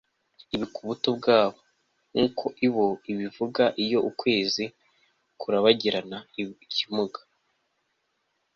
ibuka ubuto bwabo. nkuko ibo ibivuga iyo ukwezi kurabagirana ikimuga